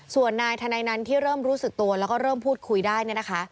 ส่วนนายธนัยนั้นที่เริ่มรู้สึกตัวแล้วก็เริ่มพูดคุยได้เนี่ยนะคะ